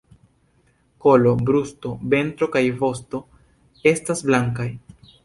Kolo, brusto, ventro kaj vosto estas blankaj.